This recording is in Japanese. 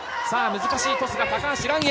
難しいトスが高橋藍へ。